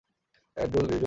অ্যাডুল গ্রেলিও ওর নাম!